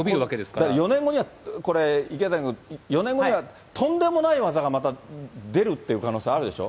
だから４年後には、これ、池谷君、４年後にはとんでもない技がまた出るっていう可能性あるでしょ。